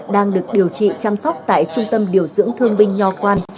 đang được điều trị chăm sóc tại trung tâm điều dưỡng thương binh nho quan